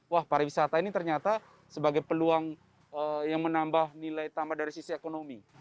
wah pariwisata ini ternyata sebagai peluang yang menambah nilai tambah dari sisi ekonomi